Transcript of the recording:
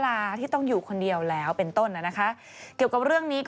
หลายคนคงอยากจะมีโทษที่มันหนักกว่านี้